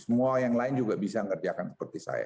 semua yang lain juga bisa ngerjakan seperti saya